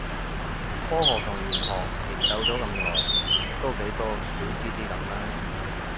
科學同玄學研究咗咁耐，多幾多少知啲咁啦